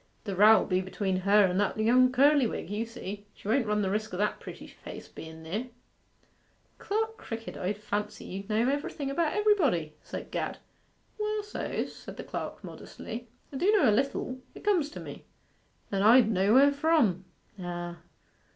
'The row'll be between her and that young Curlywig, you'll see. She won't run the risk of that pretty face be en near.' 'Clerk Crickett, I d' fancy you d' know everything about everybody,' said Gad. 'Well so's,' said the clerk modestly. 'I do know a little. It comes to me.' 'And I d' know where from.' 'Ah.